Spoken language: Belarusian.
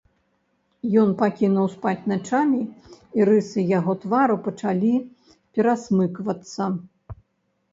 Ён пакінуў спаць начамі, і рысы яго твару пачалі перасмыквацца.